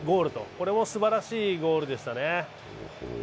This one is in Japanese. これもすばらしいゴールでしたね。